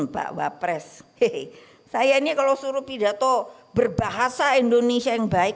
bawa pres hehehe saya ini kalau suruh pidato berbahasa indonesia yang baik